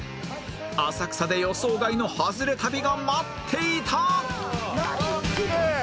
浅草で予想外のハズレ旅が待っていた！